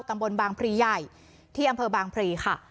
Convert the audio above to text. บางพรีใหญ่ที่อำเภอบางพรีค่ะ